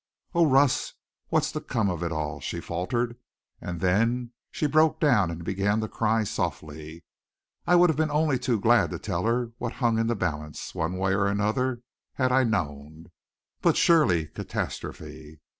"Oh, Russ what's to come of it all?" she faltered, and then she broke down and began to cry softly. I would have been only too glad to tell her what hung in the balance, one way or another, had I known. But surely, catastrophe!